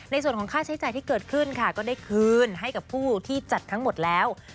ในส่วนของค่าใช้จ่ายที่เกิดขึ้นค่ะก็ได้คืนให้กับผู้ที่จัดทั้งหมดแล้ว